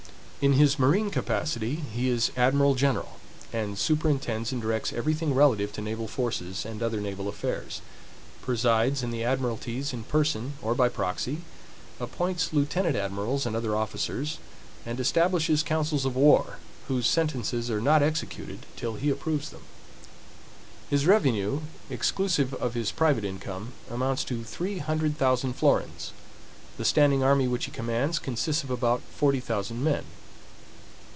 In his marine capacity he is admiral general, and superintends and directs every thing relative to naval forces and other naval affairs; presides in the admiralties in person or by proxy; appoints lieutenant admirals and other officers; and establishes councils of war, whose sentences are not executed till he approves them. His revenue, exclusive of his private income, amounts to three hundred thousand florins. The standing army which he commands consists of about forty thousand men.